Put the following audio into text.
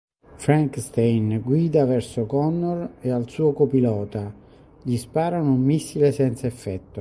Frankenstein guida verso Connor e al suo copilota; gli sparano un missile senza effetto.